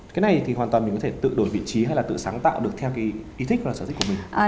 cái này thì hoàn toàn mình có thể tự đổi vị trí hay là tự sáng tạo được theo cái ý thích là sở thích của mình